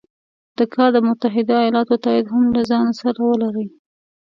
دا کار د متحدو ایالتونو تایید هم له ځانه سره ولري.